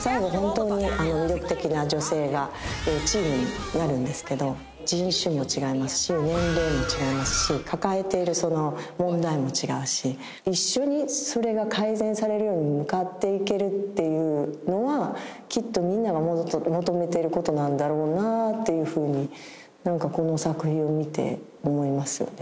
最後本当に魅力的な女性がチームになるんですけど人種も違いますし年齢も違いますし抱えている問題も違うし一緒にそれが改善されるように向かっていけるっていうのはきっとみんなが求めてることなんだろうなっていうふうになんかこの作品を見て思いますよね